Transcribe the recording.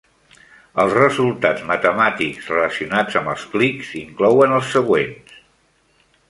Els resultats matemàtics relacionats amb els clics inclouen els següents.